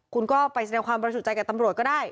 คุณก็ไปแสดงความบริสุทธิ์ใจกับตำรวจก็ได้